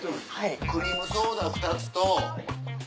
クリームソーダ２つと。